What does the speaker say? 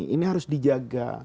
ini harus dijaga